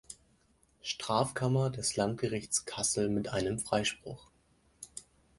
Strafkammer des Landgerichts Kassel mit einem Freispruch.